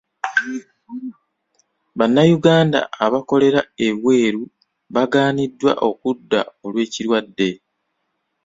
Bannayuganda abakolera ebweru bagaaniddwa okudda olw'ekirwadde.